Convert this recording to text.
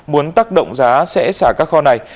muốn tắc động giá sẽ xả các kho này